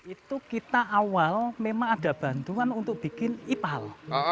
itu kita awal memang ada bantuan untuk bikin ipal